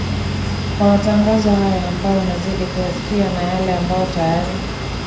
aah kwa matangazo haya ambayo unazidi kuyasikia na yale ambayo tayari